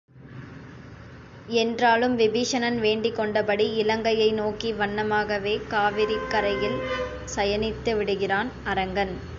என்றாலும் விபீஷணன் வேண்டிக் கொண்டபடி இலங்கையை நோக்கிய வண்ணமாகவே காவிரிக் கரையில் சயனித்துவிடுகிறான் அரங்கன்.